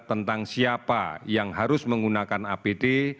tentang siapa yang harus menggunakan apd